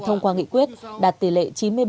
thông qua nghị quyết đạt tỷ lệ